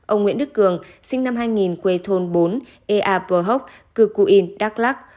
ông nguyễn đức cường sinh năm hai nghìn quê thôn bốn ea bờ hốc cư cụ yên đắk lắc